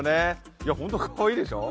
いや、本当にかわいいでしょう。